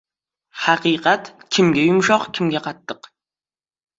• Haqiqat kimga yumshoq, kimga qattiq.